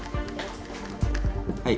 はい。